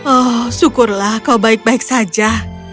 oh syukurlah kau baik baik saja